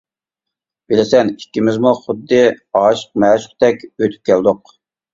بىلىسەن ئىككىمىزمۇ خۇددى ئاشىق مەشۇقتەك ئۆتۈپ كەلدۇق.